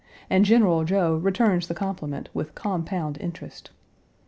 Page 249 and General Joe returns the compliment with compound interest.